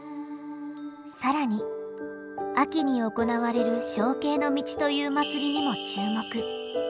更に秋に行われる憧憬の路という祭りにも注目。